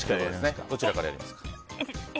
どちらからやりますか？